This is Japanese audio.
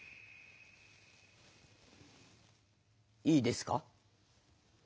いいですか？